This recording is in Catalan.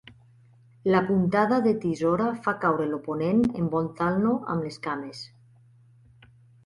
La puntada de "tisora" fa caure l'oponent envoltant-lo amb les cames.